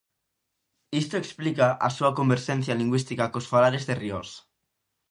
Isto explica a súa converxencia lingüística cos falares de Riós.